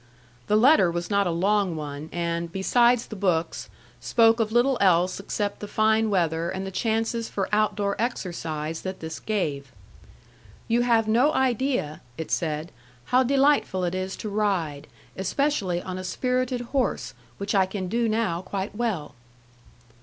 The letter was not a long one, and, besides the books, spoke of little else except the fine weather and the chances for outdoor exercise that this gave. "You have no idea," it said, "how delightful it is to ride, especially on a spirited horse, which I can do now quite well."